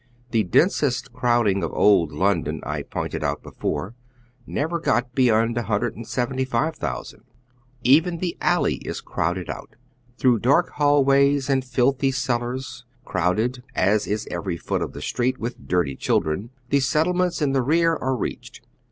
The densest crowding of Old London, I pointed out before, never got beyond a hundred and seventy five thousand. Even tlie alley is crowded out. Through dark hallways and filthy cellars, crowded, as is every foot of the street, with dirty children, the settlements in the rear are reached.